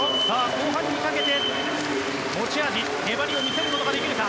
後半にかけて、持ち味粘りを見せることができるか。